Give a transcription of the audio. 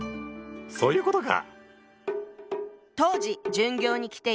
そういうことか！